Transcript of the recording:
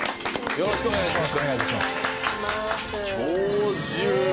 よろしくお願いします。